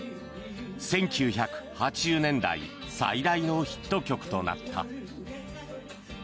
１９８０年代最大のヒット曲となった。